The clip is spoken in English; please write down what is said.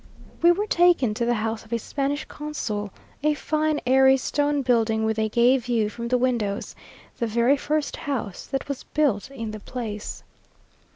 We were taken to the house of a Spanish consul, a fine, airy, stone building with a gay view from the windows; the very first house that was built in the place.